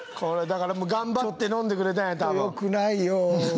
頑張って飲んでくれたんや、多分。よくないよ。